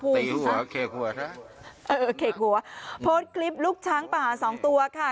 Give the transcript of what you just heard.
ตีหัวเขกหัวนะเออเขกหัวโพสต์คลิปลูกช้างป่าสองตัวค่ะ